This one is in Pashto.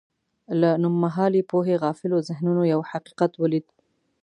له نومهالې پوهې غافلو ذهنونو یو حقیقت ولید.